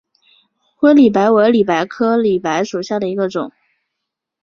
灰里白为里白科里白属下的一个种。